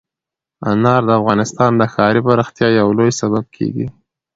انار د افغانستان د ښاري پراختیا یو لوی سبب کېږي.